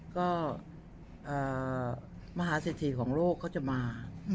ก็มหาสถิติของโลกเขาจะมา